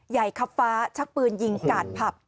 คับฟ้าชักปืนยิงกาดผับ